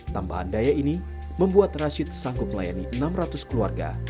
tambahan daya ini membuat rashid sanggup melayani enam ratus keluarga